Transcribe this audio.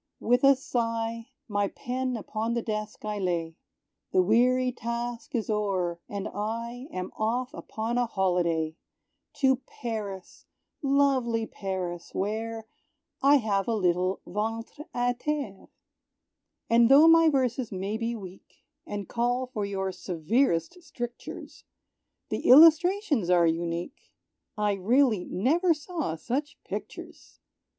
With a sigh, My pen upon the desk I lay; The weary task is o'er, and I Am off upon a holiday, To Paris, lovely Paris, where I have a little ventr' à terre.[B] And tho' my verses may be weak, And call for your severest strictures, The illustrations are unique, I really never saw such pictures!